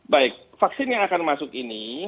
baik vaksin yang akan masuk ini